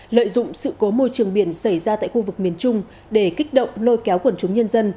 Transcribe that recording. lợi dụng sự cố môi trường biển xảy ra tại khu vực miền trung để kích động lôi kéo quần chúng nhân dân